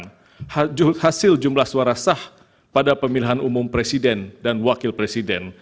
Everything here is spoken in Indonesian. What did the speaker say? dan hasil jumlah suara sah pada pemilihan umum presiden dan wakil presiden